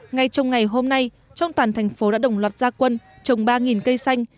ngay trong ngày hôm nay trong toàn thành phố đã đồng loạt gia quân trồng ba cây xanh